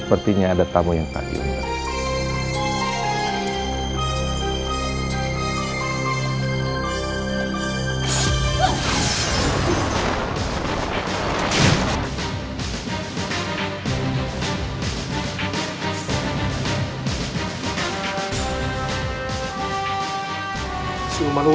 sepertinya ada tamu yang tak diundang